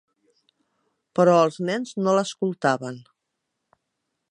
Però els nens no l'escoltaven.